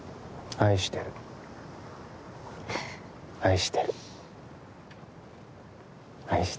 愛してる、愛してる。